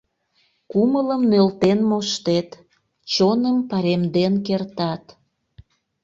Кумылым нӧлтен моштет... чоным паремден кертат.